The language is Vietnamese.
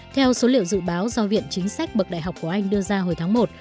theo số liệu dự báo do viện chính sách bậc đại học của anh đưa ra hồi tháng một